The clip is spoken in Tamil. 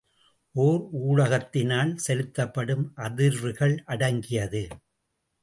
ஒர் ஊடகத்தினால் செலுத்தப்படும் அதிர்வுகள் அடங்கியது.